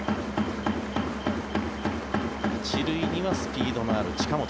１塁にはスピードのある近本。